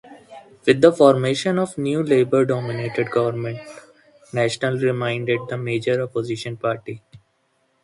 With the formation of a new Labour-dominated Government, National remained the major Opposition party.